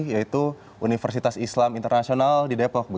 yaitu universitas islam internasional di depok